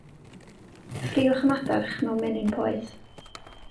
Ffriwch y madarch mewn menyn poeth.